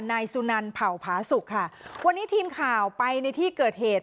นายสุนันเผ่าผาสุกค่ะวันนี้ทีมข่าวไปในที่เกิดเหตุ